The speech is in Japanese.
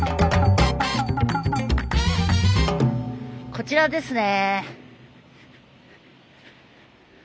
こちらですね。